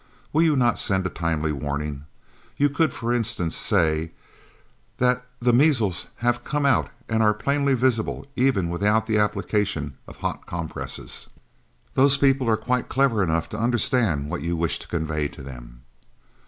Will you not send a timely warning? You could, for instance, say that the measles have come out and are plainly visible, even without the application of hot compresses. Those people are quite clever enough to understand what you wish to convey to them."